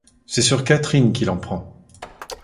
C’est sur Catherine qu’il en prend.